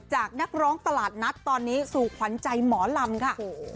นักร้องตลาดนัดตอนนี้สู่ขวัญใจหมอลำค่ะ